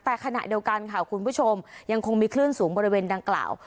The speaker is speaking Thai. แต่ขณะเดียวกันค่ะคุณผู้ชมยังคงมีคลื่นสูงบริเวณดังกล่าว